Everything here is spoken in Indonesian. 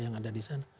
yang ada di sana